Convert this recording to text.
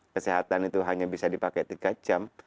kesehatan itu hanya bisa dipakai tiga jam